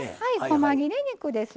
こま切れ肉です。